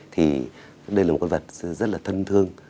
thì đây là một cái vật rất là thân thương